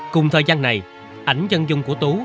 cùng thời gian này ảnh dân dung của tú